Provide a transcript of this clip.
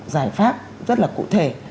giải pháp rất là cụ thể